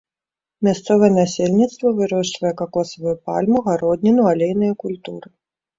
Мясцовае насельніцтва вырошчвае какосавую пальму, гародніну, алейныя культуры.